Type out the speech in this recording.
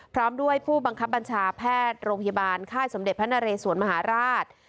พร้อมด้วยผู้บังคับบัญชาแพทย์โรงพยาบาลค่ายสมเด็จพระนเรสวนมหาราช